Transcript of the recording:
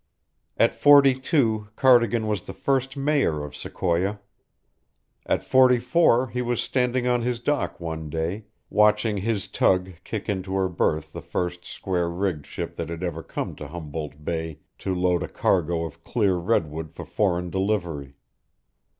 At forty two Cardigan was the first mayor of Sequoia. At forty four he was standing on his dock one day, watching his tug kick into her berth the first square rigged ship that had ever come to Humboldt Bay to load a cargo of clear redwood for foreign delivery.